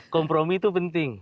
kompromi itu penting